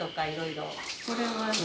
これはね